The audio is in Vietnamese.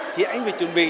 thì anh phải chuẩn bị